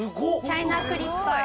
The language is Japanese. チャイナクリッパー？